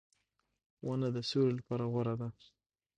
• ونه د سیوری لپاره غوره ده.